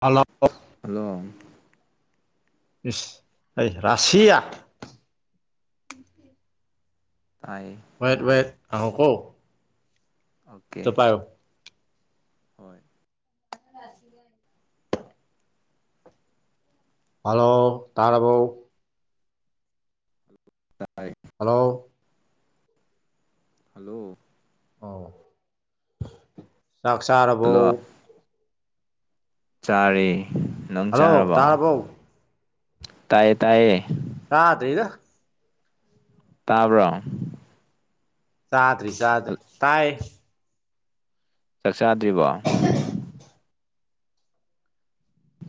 Hello hello ꯏꯁ ꯑꯩ ꯔꯥꯁꯤꯌꯥ ꯇꯥꯏ ꯋꯥꯋꯏꯠ ꯋꯥꯋꯦꯠ ꯀꯣ ꯀꯣ ꯑꯣꯀꯦ ꯍꯣꯏ ꯁꯤꯒ ꯍꯜꯂꯣ ꯇꯥꯔꯥꯔꯕꯎ ꯇꯥꯏ ꯍꯜꯂꯣ ꯍꯜꯂꯣ ꯑꯣ ꯆꯥꯛ ꯆꯥꯔꯕꯧ ꯆꯔꯦ ꯍꯜꯂꯣ ꯇꯥꯔꯕꯔꯕꯣ ꯇꯌꯦ ꯇꯌꯦ ꯁꯥꯇ ꯏꯗ ꯇꯕ꯭ꯔꯣ ꯁꯥꯇꯔꯤ ꯁꯥꯠ ꯇꯥꯏ ꯆꯥꯛ ꯆꯥꯗ꯭ꯔꯤꯕꯔꯤꯕꯣ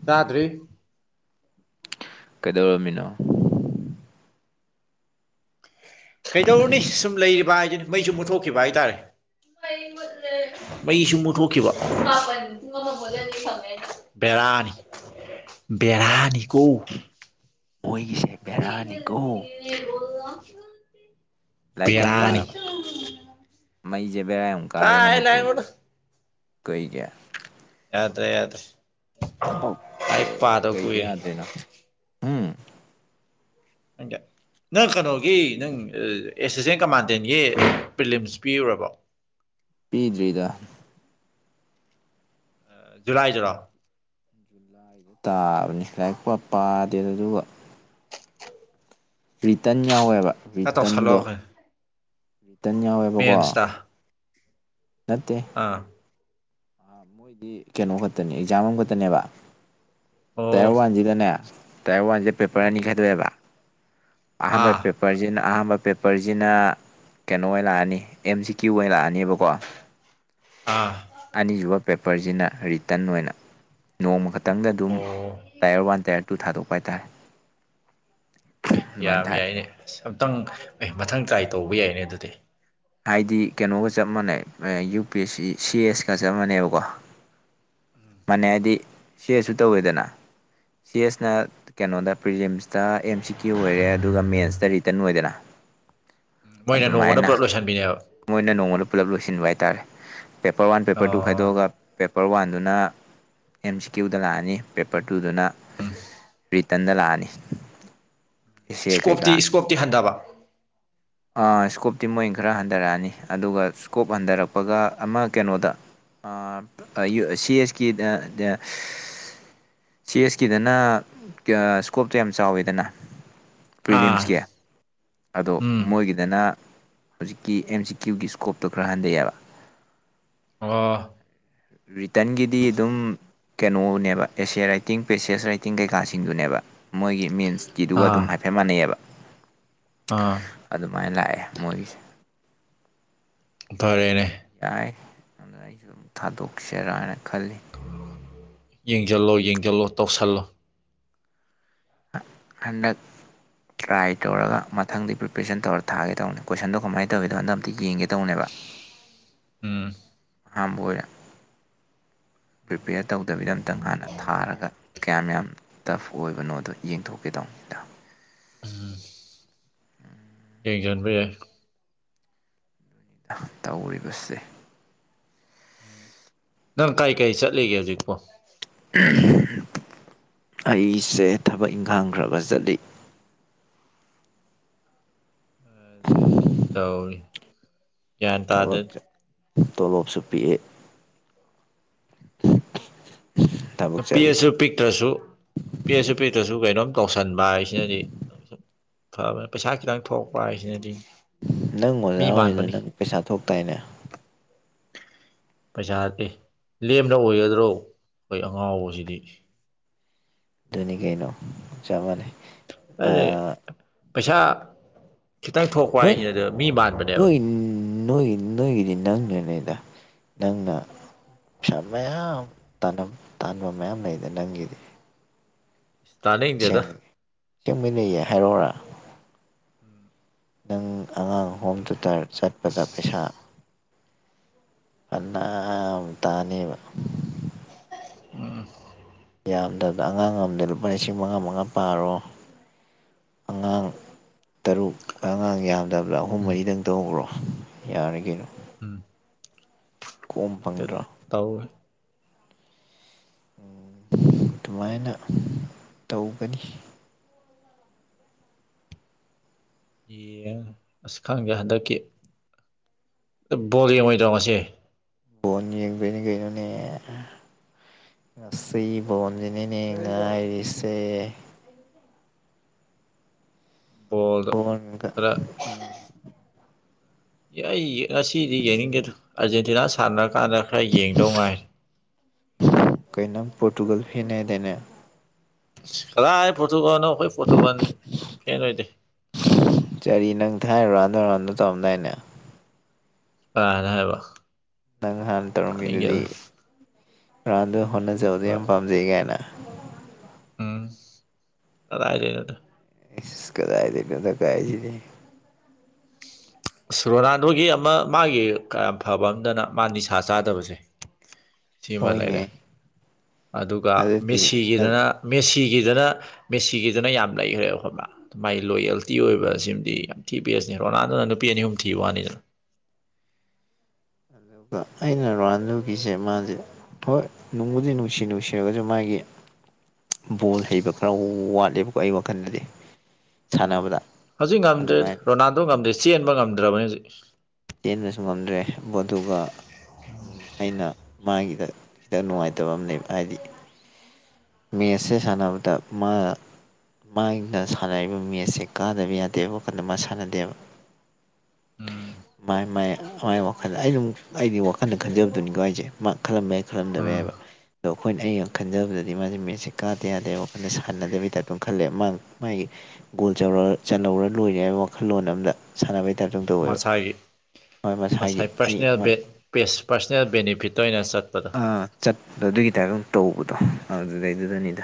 ꯆꯥꯗ꯭ꯔꯤ ꯀꯩꯗꯧꯔꯝꯃꯤꯅꯣ ꯀꯩꯗꯧꯔꯨꯅꯤ ꯁꯨꯝ ꯂꯩꯔꯤꯕ ꯍꯥꯏꯗꯤꯅꯤ ꯃꯩꯁꯨ ꯃꯨꯠꯊꯣꯛꯈꯤꯕ ꯍꯥꯏꯇꯥꯔꯦ ꯃꯩꯁꯨ ꯃꯨꯠꯊꯣꯛꯈꯤꯕ ꯕꯔꯥꯅꯤ ꯕꯦꯔꯥꯅꯤ ꯀꯣ ꯑꯣꯏꯣꯏꯒꯤ [unintelligible] ꯂꯥꯏꯔꯤꯛ ꯀꯌꯥꯝ ꯕꯦꯔꯥꯅꯤ ꯄꯥꯔꯕ ꯃꯩꯁꯦ ꯕꯦꯔꯥ ꯌꯥꯝꯨꯛ ꯀꯥꯔꯦ ꯀꯥꯏ ꯂꯥꯏꯔꯤꯛꯅꯣꯗ ꯃꯅꯤꯄꯨꯔꯁꯦ ꯀ ꯀ ꯌꯥꯗꯦ ꯌꯥꯗꯦ ꯑꯣꯀꯦ ꯑꯩ ꯄꯥꯗꯣ ꯀꯩꯗ ꯀꯨꯏꯔ ꯌꯥꯗ꯭ꯔꯤꯅꯣ ꯎꯝ ꯏꯀ ꯅꯪ ꯀꯩꯅꯣꯒꯤ ꯅꯪ ꯑꯦꯁꯤꯁꯇꯦꯟ ꯀꯃꯥꯟꯗꯦꯟꯒꯤ ꯄ꯭ꯔꯤꯂꯤꯝꯁ ꯄꯤꯔꯨꯔꯕꯣ [unintelligible] ꯄꯤꯗ꯭ꯔꯤꯗ ꯖꯨꯂꯥꯏꯗꯨꯨꯔ ꯂꯥꯏꯗ ꯇꯥꯕꯅꯤ ꯂꯥꯏꯔꯤꯛ ꯄ ꯄꯥꯗꯦ ꯑꯗꯨꯒ ꯔꯤꯇꯟ ꯌꯥꯎꯋꯦꯕ ꯍ ꯇꯞ ꯆꯂ ꯍꯦ ꯈꯤꯇꯪ ꯌꯥꯎꯋꯦꯕꯀꯣ ꯅꯠꯇꯦ ꯑꯥ ꯃꯣꯏꯗꯤ ꯀꯩꯅꯣ ꯈꯛꯇꯅꯤ ꯑꯦꯛꯖꯥꯝ ꯑꯃꯈꯛꯇꯅꯦꯕ ꯑꯣ ꯇꯌꯥꯔ ꯋꯥꯟꯁꯤꯗꯅꯦ ꯇꯥꯏꯌꯔ ꯋꯥꯟꯁꯦ ꯄꯦꯄꯔ ꯎꯝ ꯑꯅꯤ ꯈꯥꯏꯗꯣꯛꯑꯦꯕ ꯑꯍꯥꯟꯕ ꯑꯥ ꯄꯦꯄꯔꯖꯤꯅ ꯑꯍꯥꯟꯕ ꯄꯦꯄꯔꯁꯤꯅ ꯀꯩꯅꯣ ꯑꯣꯏꯅ ꯂꯥꯛꯑꯅꯤ ꯑꯦꯝ ꯁꯤ ꯀ꯭ꯌꯨ ꯑꯣꯏꯅ ꯂꯥꯛꯑꯅꯦꯕꯀꯣ ꯑꯥ ꯑꯅꯤꯁꯨꯕ ꯄꯦꯄꯔꯁꯤꯅ ꯔꯤꯇꯟ ꯑꯣꯏꯅ ꯅꯣꯡꯃ ꯈꯛꯇ ꯈꯤꯇꯪꯗ ꯑꯗꯨꯝ ꯑꯣ ꯇꯥꯏꯌꯔ ꯋꯥꯟ ꯇꯥꯏꯌꯔ ꯇꯨ ꯊꯥꯗꯣꯛꯄ ꯍꯥꯏꯇꯥꯔꯦ ꯑꯦ ꯑꯗꯨꯃꯥꯏꯅ ꯌꯥꯝ ꯊꯥꯏ ꯌꯥꯏꯅꯦꯁ ꯑꯝꯇꯪ ꯑꯦ ꯃꯊꯪ ꯇ꯭ꯔꯥꯏ ꯇꯧꯕ ꯌꯥꯏꯅꯦ ꯑꯗꯨꯗꯤ ꯍꯥꯏꯗꯤ ꯀꯩꯅꯣꯒ ꯆꯞ ꯃꯥꯟꯅꯩ ꯌꯨ ꯄꯤ ꯑꯦꯁ ꯁꯤ ꯁꯤ ꯑꯦꯁꯀ ꯆꯞ ꯃꯥꯟꯅꯩꯕꯀꯣ [unintelligible] ꯃꯥꯟꯅꯦꯩ ꯍꯥꯏꯗꯤ ꯁꯤ ꯑꯦꯁꯁꯨ ꯇꯧꯋꯦꯗꯅ ꯁꯤ ꯑꯦꯁꯅ ꯀꯩꯅꯣꯗ ꯄ꯭ꯔꯤꯂꯤꯝꯁꯇ ꯑꯦꯝ ꯁꯤ ꯀ ꯑꯣꯏꯔꯦ ꯑꯗꯨꯒ ꯃꯦꯟꯁꯇ ꯔꯤꯇꯟ ꯑꯣꯏꯗꯅ ꯃꯣꯏꯅ ꯅꯣꯡꯃꯗ ꯑꯗꯨꯃꯥꯏꯅ ꯄꯨꯂꯞ ꯂꯣꯏꯁꯤꯟꯕꯤꯅꯦꯕ ꯃꯣꯏꯅ ꯅꯣꯡꯃꯗ ꯄꯨꯜꯂꯞ ꯂꯣꯏꯁꯤꯟꯕ ꯍꯥꯏꯇꯥꯔꯦ ꯄꯦꯄꯔ ꯋꯥꯟ ꯄꯦꯄꯔ ꯇꯨ ꯑꯣ ꯈꯥꯏꯗꯣꯛꯑꯒ ꯄꯦꯄꯔ ꯋꯥꯟꯗꯨꯅ ꯑꯦꯝ ꯁꯤ ꯀ꯭ꯌꯨꯗ ꯂꯥꯛꯑꯅꯤ ꯄꯦꯄꯔ ꯇꯨꯗꯨꯅ ꯎꯝ ꯔꯤ ꯆꯗꯂꯥꯅꯤ ꯏꯁꯀꯣꯞꯇꯤ ꯏꯁꯀꯣꯞꯇꯤ ꯍꯟꯊꯕ ꯏꯁꯀꯣꯞꯇꯤ ꯃꯣꯏ ꯈꯔ ꯍꯟꯊꯔꯛꯑꯅꯤ ꯑꯗꯨꯒ ꯏꯁꯀꯣꯞ ꯍꯟꯊꯔꯛꯄꯒ ꯑꯃ ꯀꯩꯅꯣꯗ ꯁꯤ ꯑꯦꯁ ꯀꯤ ꯁꯤ ꯑꯦꯁ ꯀꯤꯗꯅ ꯏꯁꯀꯣꯞꯇꯣ ꯌꯥꯝ ꯆꯥꯎꯋꯦꯗꯅ ꯑꯥ ꯄ꯭ꯔꯤꯂꯤꯝꯁꯀꯤ ꯑꯗꯣ ꯎꯝ ꯃꯣꯏꯒꯤꯗꯅ ꯍꯧꯖꯤꯛꯀꯤ ꯑꯦꯝ ꯁꯤ ꯀ꯭ꯌꯨꯒꯤ ꯏꯁꯀꯣꯞꯇꯣ ꯈꯔ ꯍꯟꯊꯩꯑꯕ ꯑ ꯔꯤꯇꯟꯒꯤꯗꯤ ꯑꯗꯨꯝ ꯀꯦꯩꯅꯣꯅꯦꯕ ꯑꯦꯁꯤꯌꯥ ꯔꯥꯏꯇꯤꯡ ꯄꯦꯁꯦꯁ ꯔꯥꯏꯇꯤꯡ ꯀꯩꯀꯥꯁꯤꯡꯗꯨꯅꯦꯕ ꯃꯣꯏꯒꯤ ꯃꯤꯟꯁ ꯁꯇꯤꯗꯨꯒ ꯑꯥ ꯑꯗꯨꯝ ꯍꯥꯏꯐꯦꯠꯥꯟꯅꯩꯑꯕ ꯑꯥ ꯑꯗꯨꯃꯥꯏꯅ ꯂꯥꯛꯑꯦ ꯃꯣꯏꯒꯤꯁꯦ ꯐꯔꯦꯅꯦ ꯌꯥꯏ ꯑꯗꯨꯅ ꯑꯩꯁꯨ ꯑꯗꯨꯝ ꯊꯥꯗꯣꯛꯁꯦꯔꯥ ꯍꯥꯏꯅ ꯈꯜꯂꯤ ꯌꯦꯡꯁꯤꯜꯂꯣ ꯌꯦꯡꯁꯤꯜꯂꯣ ꯇꯧꯁꯤꯜꯂꯣ ꯈꯟꯗꯛ ꯇ꯭ꯔꯥꯏ ꯇꯧꯔꯒ ꯃꯊꯪꯗꯤ ꯄ꯭ꯔꯤꯄꯦꯔꯦꯁꯟ ꯇꯧꯔ ꯊꯥꯒꯦ ꯇꯧꯅꯦ ꯀꯣꯏꯁꯟꯗꯣ ꯀꯃꯥꯏꯅ ꯇꯧꯋꯤꯗꯣ ꯍꯟꯗ ꯑꯝꯇ ꯌꯦꯡꯒꯦ ꯇꯧꯅꯦꯕ ꯎꯝ ꯑ ꯍꯔ ꯄ꯭ꯔꯤꯄꯦꯌꯔ ꯇꯧꯗꯕꯤꯗ ꯑꯝꯇꯪ ꯍꯥꯟꯅ ꯊꯥꯔꯒ ꯀꯌꯥꯝ ꯌꯥꯝ ꯇꯐ ꯑꯣꯏꯕꯅꯣꯗꯣ ꯌꯦꯡꯊꯣꯛꯀꯦ ꯇ [unintelligible] ꯌꯦꯡ ꯆꯟꯕ ꯌꯥꯏ ꯇꯧꯔꯤꯕꯁꯦ ꯅꯪ ꯀꯔꯤ ꯀꯩ ꯆꯠꯂꯤꯒꯦ ꯍꯧꯖꯤꯛꯄꯣ ꯑꯩꯁꯦ ꯊꯕꯛ ꯏꯪꯈꯥꯡꯈ꯭ꯔꯕ ꯆꯠꯂꯤ ꯇꯧꯔꯤ ꯒ꯭ꯌꯥꯟ ꯇꯥꯗ ꯊꯕꯛ ꯇꯣꯂꯣꯞꯁꯨ ꯄꯤꯛꯑꯦ ꯊꯕꯛ ꯄꯤꯛꯑꯁꯨ ꯆꯠꯂꯤꯁꯦ ꯄꯤꯛꯇ꯭ꯔꯁꯨ ꯄꯤꯛꯑꯁꯨ ꯄꯤꯛꯇ꯭ꯔꯁꯨ ꯀꯩꯅꯣꯝ ꯇꯧꯁꯟꯕ ꯍꯥꯏꯁꯤꯅꯗꯤ ꯐꯕꯅꯤ ꯄꯩꯁꯥ ꯈꯤꯇꯪ ꯊꯣꯛꯄ ꯍꯥꯏꯁꯤꯅꯗꯤ ꯅꯪ ꯑꯣꯖꯥ ꯃꯤ ꯑꯣꯏꯗꯨ ꯃꯥꯟꯕꯅꯤ ꯅꯪ ꯄꯩꯁꯥ ꯊꯣꯛꯇꯥꯏꯅꯦ ꯄꯩꯁꯥ ꯅꯠꯇꯦ ꯂꯦꯝꯅ ꯑꯣꯏꯒꯗ꯭ꯔꯣ ꯑꯩꯈꯣꯏ ꯑꯉꯥꯎꯕꯁꯤꯗꯤ ꯅꯤ ꯀꯩꯩꯅꯣ ꯆꯃꯅꯦ ꯑ ꯑꯗꯨꯅꯦ ꯄꯩꯁꯥ ꯈꯤꯇꯪ ꯊꯣꯛꯄ ꯍꯥꯏꯁꯤꯅꯗ ꯃꯤ ꯃꯥꯟꯕꯅꯦꯕ ꯅꯣꯏ ꯅꯣꯏ ꯅꯣꯏꯒꯤꯗꯤ ꯅꯪꯔꯤꯅꯦꯗ ꯅꯪꯅ ꯄꯩꯁꯥ ꯃꯌꯥꯝ ꯇꯥꯟꯕ ꯃꯌꯥꯝ ꯂꯩꯗꯦ ꯅꯪꯒꯤꯗꯤ ꯇꯥ ꯅꯏꯗꯦ ꯑꯗ ꯆꯦꯡꯃꯤꯟꯅꯩꯌꯦ ꯍꯥꯏꯔꯛꯔ ꯅꯪ ꯑꯉꯥꯡ ꯍꯣꯝ ꯊꯨꯇꯔ ꯆꯠꯄꯗ ꯄꯩꯁꯥ ꯀꯅꯥ ꯇꯅꯕ ꯎꯝ ꯌꯥꯝꯗꯕꯗ ꯑꯉꯥꯡ ꯑꯝꯗ ꯂꯨꯄꯥ ꯂꯤꯁꯤꯡ ꯃꯉꯥ ꯃꯉꯥ ꯄꯥꯔꯣ ꯑꯉꯥꯡ ꯇꯔꯨꯛ ꯑꯉꯥꯡ ꯌꯥꯝ ꯂꯗꯕꯂꯥ ꯑꯍꯨꯝ ꯎꯝ ꯃꯔꯤꯗꯪ ꯇꯧꯕ꯭ꯔꯣ ꯌꯥꯔ ꯀꯩꯅꯣ ꯎꯝ ꯀꯣꯝ ꯑꯗꯨꯇ ꯐꯪꯗ꯭ꯔꯣ ꯇꯥꯎꯦ ꯑꯗꯨꯃꯥꯏꯅ ꯇꯧꯒꯅꯤ ꯌꯦ ꯑꯁ ꯈꯪꯗꯦ ꯍꯟꯗꯛꯀꯤ ꯕꯜꯂ ꯌꯦꯡ ꯉꯣꯏꯗꯔꯣ ꯉꯁꯤ ꯕꯣꯂ ꯌꯦꯡꯕꯅꯤ ꯀꯅꯣꯅꯦ ꯉꯁꯤ ꯣꯟꯖꯅꯤ ꯉꯥꯏꯔꯤꯁꯦ ꯕꯥꯜꯂꯗꯣ ꯕꯣꯟꯒ ꯈꯔꯦ ꯎꯝ ꯑꯦ ꯑꯩ ꯉꯁꯤꯗꯤ ꯌꯦꯡꯅꯤꯡꯗꯦꯗ ꯑꯥꯔꯖꯦꯟꯇꯤꯅꯥ ꯁꯥꯟꯅꯔꯀꯥꯟꯗ ꯈꯔ ꯌꯦꯡꯗꯧ ꯉꯥꯏꯔꯦ ꯀꯩꯅꯥꯝ ꯄꯣꯔꯇꯨꯒꯜ ꯍꯤꯅꯦꯗꯅꯦ ꯍꯂꯥꯏ ꯄꯣꯊꯨ ꯀꯅꯣ ꯆꯔꯤ ꯅꯪ ꯊꯥꯏꯔꯨꯔꯅꯔ ꯇꯣꯔꯝꯗꯦꯅ ꯀꯅ ꯍꯥꯏꯕ ꯅꯪ ꯍꯥꯟꯅ ꯇꯥꯅꯤꯡꯗꯦꯗ ꯇꯧꯔꯝꯃꯤꯗꯨꯗꯤ ꯭ꯔꯥꯟꯗ ꯍꯣꯠꯅꯖꯕꯗ ꯌꯥꯝ ꯄꯥꯝꯖꯩ ꯀꯥꯏꯅ ꯑꯗꯥꯏꯔꯦꯒꯗ ꯀꯗꯥꯏꯗꯅꯗ ꯀꯥꯏꯁꯤꯅꯤ ꯑ ꯔꯣꯅꯥꯜꯗꯣꯒꯤ ꯑꯃ ꯃꯥꯒꯤ ꯀꯌꯥꯝ ꯐꯕ ꯑꯝꯗꯅ ꯃꯥ ꯅꯤꯁꯥ ꯆꯥꯗꯕꯁꯦ ꯁꯤꯃ ꯂꯩꯔꯦ ꯍꯣꯏꯅꯦ ꯑꯗꯨꯒ ꯑꯗꯨꯗꯤ ꯃꯦꯁꯤꯒꯤꯗꯅ ꯃꯦꯁꯤ ꯒꯤꯗꯅ ꯃꯦꯁꯤꯒꯤꯗꯅ ꯌꯥꯝ ꯂꯩꯈ꯭ꯔꯦ ꯑꯩꯈꯣꯏ ꯃꯥꯏ ꯂꯣꯌꯦꯜꯇꯤ ꯑꯣꯏꯕ ꯁꯤꯃꯗꯤ ꯌꯥꯝ ꯊꯤ ꯄꯁꯅꯤ ꯔꯣꯅꯥꯜꯗꯣꯅ ꯅꯨꯄꯤ ꯑꯅꯤ ꯑꯍꯨꯝ ꯊꯤꯕ ꯋꯥꯅꯤꯗꯅ ꯑꯗꯨꯒ ꯑꯩꯅ ꯔꯣꯍꯥꯟꯂꯣꯒꯤꯁꯦ ꯃꯥꯁꯦ ꯍꯣꯏ ꯅꯨꯡꯕꯨꯗꯤ ꯅꯨꯡꯁꯤ ꯅꯨꯡꯁꯤꯔꯒꯁꯨ ꯃꯥꯒꯤ ꯕꯣꯜ ꯍꯩꯕ ꯈꯔ ꯋꯥꯠꯂꯦꯕꯀꯣ ꯑꯩ ꯋꯥꯈꯜꯗꯗꯤ ꯎꯝ ꯁꯥꯟꯅꯕꯗ ꯍꯧꯖꯤꯛ ꯉꯝꯗ꯭ꯔꯦ ꯑꯗꯨꯃꯥꯏꯅ ꯔꯣꯅꯥꯜꯗꯣ ꯉꯝꯗ꯭ꯔꯦ ꯆꯦꯟꯕ ꯉꯝꯗ꯭ꯔꯕꯅꯤ ꯍꯧꯖꯤꯛ ꯆꯦꯟꯕꯁꯨ ꯉꯝꯗ꯭ꯔꯦ ꯗꯨꯒ ꯑꯩꯅ ꯃꯥꯒꯤꯗ ꯈꯤꯇꯪ ꯅꯨꯡꯉꯥꯏꯇꯕ ꯑꯃꯅꯦꯕ ꯍꯥꯏꯗꯤ ꯃꯦꯁ ꯁꯥꯟꯅꯕꯗ ꯃꯥ ꯃꯥꯏꯅ ꯁꯥꯟꯅꯔꯤꯕ ꯃꯦꯠꯁꯁꯦ ꯀꯥꯗꯕ ꯌꯥꯗꯦꯕ ꯋꯥ ꯀꯟꯗ ꯃꯥ ꯁꯥꯟꯅꯗꯦꯕ ꯎꯝ ꯃꯥꯏ ꯃꯥꯏ ꯃꯥꯏ ꯋꯥꯈꯜꯗ ꯑꯩ ꯑꯗꯨꯝ ꯑꯩꯗꯤ ꯋꯥꯈꯜꯗ ꯈꯟꯖꯕꯗꯨꯅꯤꯀꯣ ꯑꯩꯁꯦ ꯃꯥ ꯈꯜꯂꯝꯕ ꯌꯥ ꯈꯜꯂꯝꯗꯕ ꯎꯝ ꯌꯥꯏꯕ ꯑꯗꯣ ꯑꯩꯈꯣꯏꯅ ꯑꯩꯅ ꯈꯟꯖꯕꯗ ꯃꯥꯁꯦ ꯃꯦꯠꯁ ꯀꯥꯗ ꯌꯥꯗꯦ ꯋꯥꯈꯜꯅ ꯁꯥꯟꯅꯗꯕ ꯇꯥꯏꯞꯇ ꯈꯜꯂꯦ ꯇꯧꯔ ꯂꯣꯏꯅꯤ ꯍꯥꯏꯕ ꯋꯥꯈꯜꯂꯣꯟ ꯑꯃꯗ ꯁꯥꯟꯅꯕꯩ ꯇꯥꯏꯞꯇ ꯑꯗꯨꯝ ꯇꯧꯋꯦꯕ ꯃꯁꯥꯒꯤ ꯍꯣꯏ ꯃꯁꯥꯒꯤ ꯃꯁꯥꯏ ꯑꯩ ꯄꯔꯁꯣꯅꯦꯜ ꯃꯣꯏ ꯄꯔꯁꯣꯅꯦꯜ ꯕꯦꯅꯤꯐꯤꯠꯇ ꯑꯣꯏꯅ ꯆꯠꯂꯦ ꯆꯠꯄ ꯑꯗꯨꯒꯤ ꯇꯥꯏꯞꯇ ꯇꯧꯕꯗꯣ ꯑꯗꯨꯗꯩꯗꯨꯗꯅꯤꯗ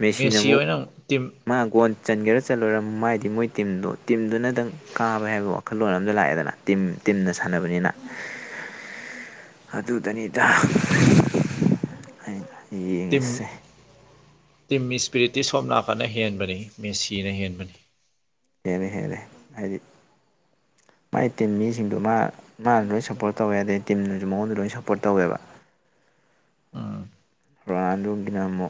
ꯃꯦꯁꯤꯅ ꯃꯦꯁꯤ ꯑꯃꯨꯛ ꯑꯣꯏꯅ ꯇꯤꯝ ꯃꯥꯒꯣꯟ ꯆꯟꯒꯦꯔ ꯆꯠꯂꯣꯏꯔꯝ ꯃ ꯍꯥꯏꯗꯤ ꯃꯣꯏ ꯇꯤꯝꯗꯣ ꯇꯤꯝꯗꯨꯅꯗꯪ ꯀꯥꯕ ꯍꯥꯏꯕ ꯋꯥꯈꯜꯂꯣꯟ ꯑꯗ ꯂꯥꯛꯑꯦꯗꯅ ꯇꯤꯝ ꯇꯤꯝꯅ ꯁꯅꯕꯅꯤꯅ [unintelligible] ꯑꯗꯨꯗꯅꯤꯗ ꯍꯥꯏ ꯌꯦꯡꯉꯤꯁꯦ ꯇꯤꯝꯒꯤ ꯏꯁꯄꯤꯔꯤꯠꯇꯤ ꯁꯣꯝ ꯅꯥꯀꯟꯅ ꯍꯦꯟꯕꯅꯤ ꯃꯦꯁꯤꯅ ꯍꯦꯟꯕꯅꯤ ꯍꯦꯔ ꯍꯦꯔꯦ ꯍꯥꯏꯗꯤ [unintelligible] ꯃꯥꯒꯤ ꯇꯤꯝ ꯃꯤꯁꯤꯡꯗꯣ ꯃꯥ ꯃꯥꯅ ꯂꯣꯏ ꯁꯞꯄꯣꯔꯠ ꯇꯧꯋꯦ ꯑꯗꯩ ꯇꯤꯝꯅꯁꯨ ꯃꯉꯣꯟꯗ ꯂꯣꯏ ꯁꯞꯄꯣꯔꯠ ꯇꯧꯋꯦꯕ [unintelligible] ꯎꯝ ꯔꯥꯗꯒꯤꯅꯃꯣ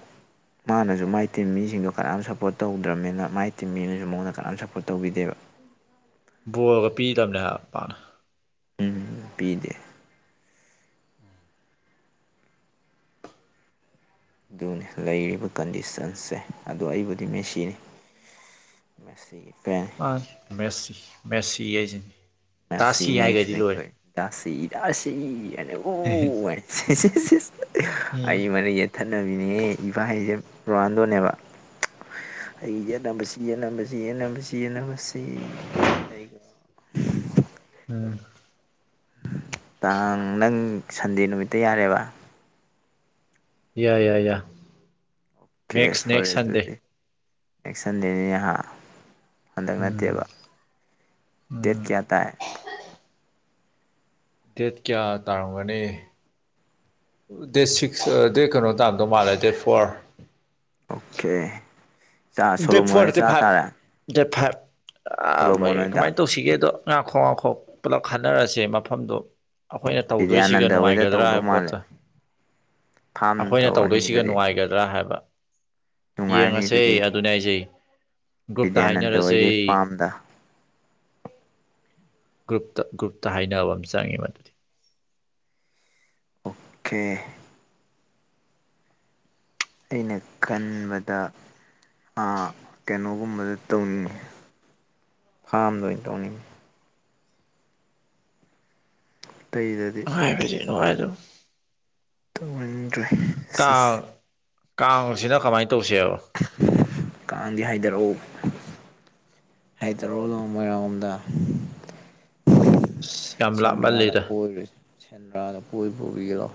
ꯃꯥꯅꯁꯨ ꯃꯥꯏ ꯇꯤꯝ ꯃꯤꯁꯤꯡꯗꯣ ꯀꯅꯥꯝ ꯁꯞꯄꯣꯔꯠ ꯇꯧꯗ꯭ꯔꯕꯅꯤꯅ ꯃꯥꯏ ꯇꯤꯝ ꯃꯤꯅꯁꯨ ꯃꯉꯗ ꯀꯅꯥꯝ ꯁꯞꯄꯣꯔꯠ ꯇꯧꯕꯤꯗꯦꯕ [unintelligible] ꯄꯤꯗꯕꯅꯦ ꯍꯥꯏꯕ ꯄꯥꯛꯅ ꯎꯝ ꯄꯤꯗꯦ ꯑꯗꯨꯅꯤ ꯂꯩꯔꯤꯕ ꯀꯟꯗꯤꯁꯟꯁꯦ ꯑꯗꯨꯗꯣ ꯑꯩꯕꯨꯗꯤ ꯃꯦꯁꯤꯅꯤ ꯃꯦꯁꯤꯒꯤ ꯐꯦꯟꯅꯤ ꯃꯥ ꯃꯦꯁꯤ ꯃꯦꯁꯤꯁꯤ ꯉꯁꯤꯁ ꯅꯈꯣꯏꯁꯤ ꯁꯤꯔ ꯁꯤ ꯌꯥꯅ ꯑꯣ ꯎꯝ ꯑꯩꯃꯅ ꯌꯦꯠꯊꯠꯅꯕꯤꯅꯦꯍꯦ ꯏꯕꯥ ꯍꯥꯏꯁꯦ ꯔꯣꯍꯟꯗꯣꯅꯦꯕ ꯑꯩꯒꯤ ꯌꯦꯠꯅꯕꯁꯤ ꯌꯦꯠꯁꯤ ꯌꯦꯠꯁꯤ ꯌꯦꯅꯕꯁꯤ ꯑꯩꯒ ꯎꯝ ꯇꯥꯡ ꯅꯪ ꯁꯟꯗꯦ ꯅꯨꯃꯤꯠꯇ ꯌꯥꯔꯦꯕ ꯌꯥ ꯌꯥꯏ ꯌꯥ ꯅꯦꯛꯁ ꯅꯦꯛꯦꯛꯁ ꯁꯟꯗꯦ ꯑꯦꯁꯟ ꯂꯩꯅꯤꯥ ꯍꯟꯗꯛ ꯎꯝ ꯅꯠꯇꯦꯕ ꯗꯦꯠ ꯎꯝ ꯀꯌꯥ ꯇꯥꯏ ꯗꯦꯠ ꯀꯌꯥ ꯇꯥꯔꯝꯒꯅꯤ ꯗꯦꯠ ꯁꯤꯛꯁ ꯗꯦ ꯀꯩꯅꯣ ꯇꯝꯗꯣ ꯃꯥꯜꯂꯦ ꯗꯦꯠ ꯐꯣꯔ ꯑꯣꯀꯦ ꯆꯥ ꯗꯦꯞ ꯁꯣꯂꯣꯃꯣꯟ ꯐꯣꯔ ꯍꯣꯏ ꯗꯞ ꯆꯥ ꯐꯔ ꯇꯥꯔꯦ ꯗꯦꯞ ꯐꯔ ꯁꯣꯂꯣꯃꯣꯟ ꯃꯣꯏ ꯍꯣꯏꯗ ꯀꯃꯥꯏꯅ ꯇꯧꯁꯤꯒꯦꯗꯣ ꯉꯥꯈꯣꯛ ꯉꯥꯈꯣꯛ ꯄꯨꯂꯞ ꯈꯟꯅꯔꯁꯦ ꯃꯐꯝꯗꯣ ꯑꯩꯈꯣꯏꯅ ꯇꯧꯗꯣꯏꯁꯤꯒ ꯕꯤꯗ꯭ꯌꯥꯅꯟꯗ ꯍꯣꯏꯗ ꯅꯨꯡꯉꯥꯏꯒꯗ꯭ꯔꯥ ꯇꯧꯗꯧ ꯍꯥꯏꯕ ꯃꯥꯜꯂꯦ ꯄꯣꯠꯇꯣ ꯐꯥꯝ ꯑꯩꯈꯣꯏꯅ ꯇꯧꯔꯅꯤ ꯇꯧꯗꯣꯏꯁꯤꯒ ꯑꯗꯨꯗꯤ ꯅꯨꯡꯉꯥꯏꯒꯗ꯭ꯔꯥ ꯍꯥꯏꯕ ꯅꯨꯡꯉꯥꯏꯔꯅꯤ ꯌꯦꯡꯉꯁꯦ ꯑꯗꯨꯗꯤ ꯑꯗꯨꯅꯦ ꯑꯩꯖꯩ ꯒ꯭ꯔꯨꯞꯇ ꯕꯤꯗ꯭ꯌꯥꯅꯟꯗ ꯍꯥꯏꯅꯔꯁꯦ ꯍꯣꯏꯒꯤ ꯐꯥꯝꯗ ꯒ꯭ꯔꯨꯞꯇ ꯒ꯭ꯔꯨꯞꯇ ꯍꯥꯏꯅꯕ ꯑꯃ ꯆꯪꯉꯦ ꯃꯗꯨꯗꯤ ꯈꯦ ꯑꯩꯅ ꯈꯟꯕꯗ ꯀꯩꯅꯣꯒꯨꯝꯕꯗ ꯇꯧꯅꯤꯡꯉꯤ ꯐꯥꯃꯗ ꯇꯧ ꯠꯇꯩꯗꯗꯤ ꯁꯉꯥꯏ ꯑꯗꯨꯣ ꯇꯧꯍꯟꯗ꯭ꯔꯦ ꯀꯥꯡꯁꯤꯅ ꯀꯃꯥꯏꯅ ꯇꯧꯁꯦꯕ ꯀꯥꯡꯗꯤ ꯍꯥꯏꯊꯔꯛ ꯑꯣ ꯍꯥꯏꯊꯔꯛꯑꯣ ꯅꯣꯡꯃ ꯃꯣꯏꯔꯥꯡꯂꯣꯝꯗ ꯑꯁ ꯌꯥꯝ ꯁꯦꯟꯗ꯭ꯔꯥꯗ ꯂꯥꯞꯃꯜꯂꯦꯗ ꯀꯣꯏꯔꯨꯁꯦ ꯁꯦꯟꯗ꯭ꯔꯥꯗ ꯀꯣꯏꯕ ꯄꯨꯕꯤꯒꯦ ꯂꯎ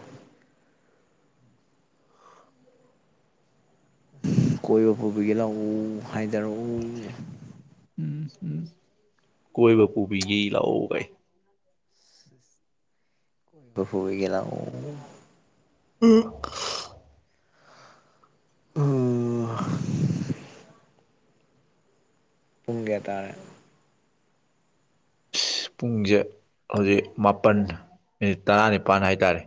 ꯀꯣꯏꯕ ꯄꯨꯕꯤꯒꯤ ꯂꯥꯛꯎ ꯍꯥꯏꯊꯔꯛꯎ ꯎꯝ ꯎꯝ ꯀꯣꯏꯕ ꯄꯨꯕꯤꯒꯦ ꯂꯥꯛꯑꯣ ꯒꯥꯏꯌꯦ ꯄꯨꯗꯤꯒꯦ ꯂꯥꯛꯑꯣ ꯎꯝ ꯑꯣ ꯄꯨꯡ ꯀꯌꯥ ꯇꯥꯔꯦ ꯑ ꯄꯨꯡꯁꯦ ꯍꯧꯖꯤꯛ ꯃꯥꯄꯜ ꯃꯤꯅꯤꯠ ꯇꯔꯥꯅꯤꯄꯥꯜ ꯍꯥꯏꯇꯥꯔꯦ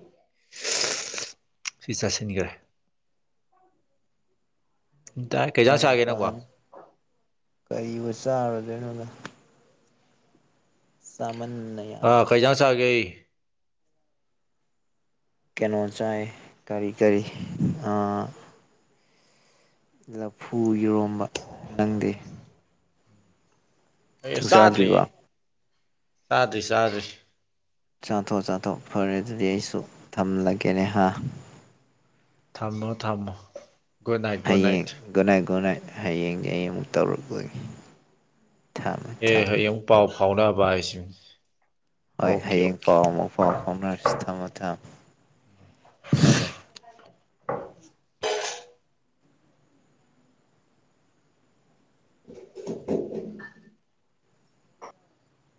ꯁꯤ ꯆꯥꯁꯤꯟꯈ꯭ꯔꯦ ꯇꯥꯏ ꯀꯩꯖꯥꯡ ꯆꯥꯒꯦ ꯅꯡꯕꯣ ꯇꯔꯥꯅꯤꯄꯥꯟ ꯀꯔꯤꯕꯨ ꯆꯥꯔꯨꯗꯣꯏꯅꯣꯗ ꯆꯥꯃꯟꯅ ꯑꯥ ꯌꯥꯔꯦ ꯀꯩꯩꯖꯥꯡ ꯆꯥꯒꯦ꯫ ꯀꯩꯅꯣ ꯆꯥꯏ ꯀꯔꯤ ꯀꯔꯤ ꯂꯥꯐꯨ ꯏꯔꯣꯝꯕ ꯅꯪꯗꯤ ꯑꯩ ꯆꯥꯛ ꯆꯗꯔꯤꯌꯦ ꯆꯥꯗ꯭ꯔꯤꯕ ꯆꯗꯔꯤ ꯆꯥꯗꯔꯤ ꯆꯥꯊꯣꯛꯑꯣ ꯆꯥꯊꯣꯛꯑꯣ ꯐꯔꯦ ꯑꯗꯨꯗꯤ ꯑꯩꯁꯨ ꯊꯝꯂꯒꯦꯅꯦ ꯍ ꯊꯝꯃꯣ ꯊꯝꯃꯣ ꯒꯨꯗ ꯅꯥꯏꯠ ꯒꯨꯗ ꯅꯥꯏꯠ ꯍꯌꯦꯡ ꯒꯣꯅꯥꯏ ꯒꯣꯅꯥꯏꯠ ꯍꯌꯦꯡꯒꯤ ꯑꯩ ꯑꯃꯨꯛ ꯇꯧꯔꯛꯇꯣꯏꯅꯤ ꯑꯦ ꯍꯌꯦꯡ ꯄꯥꯎ ꯐꯥꯎꯅꯕ ꯍꯥꯏꯁꯤ ꯍꯣꯏ ꯍꯌꯦꯡ ꯄꯥꯎ ꯑꯃꯨꯛ ꯄꯥꯎ ꯐꯥꯎꯅꯔꯁꯤ ꯊꯝꯃꯣ ꯊꯝꯃꯣ ꯊꯝꯃꯦ [inaudible] [unintelligible] [inaudible] [unintelligible]